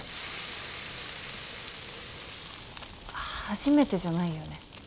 初めてじゃないよね？